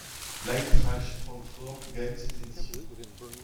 L'Eintracht Francfort gagne cette édition.